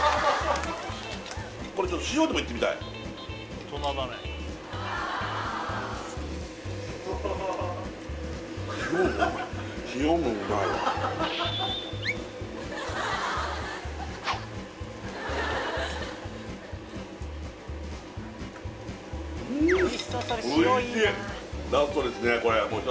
これちょっと塩でもいってみたい塩もうまいおいしいラストですね